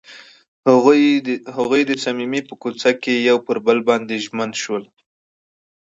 هغوی په صمیمي کوڅه کې پر بل باندې ژمن شول.